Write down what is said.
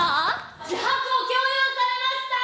「自白を強要されました！」